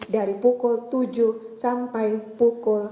dari pukul tujuh sampai pukul lima belas